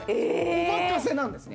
お任せなんですね。